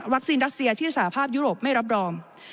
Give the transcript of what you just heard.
วัคซีนรักเสียที่สาภาพยุโรปไม่รับรอม